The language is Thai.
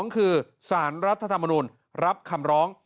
๒คือสารรัฐธรรมนุนรับคำร้อง